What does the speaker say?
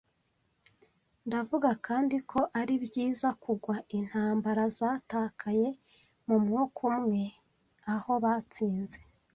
Ndavuga kandi ko ari byiza kugwa, intambara zatakaye mu mwuka umwe aho batsinze.